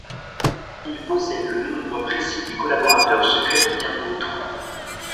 Il possède le nombre précis des collaborateurs secrets de bien d’autres.